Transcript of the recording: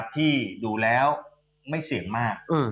ที่ดูแล้วไม่เสี่ยงมาก